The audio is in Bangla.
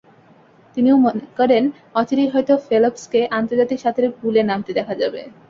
তিনিও মনে করেন অচিরেই হয়তো ফেলপসকে আন্তর্জাতিক সাঁতারে পুলে নামতে দেখা যাবে।